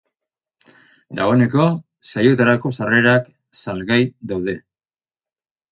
Dagoeneko saioetarako sarrerak salgai daude.